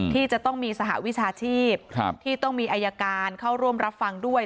ที่จะต้องมีสหวิชาชีพที่ต้องมีอายการเข้าร่วมรับฟังด้วย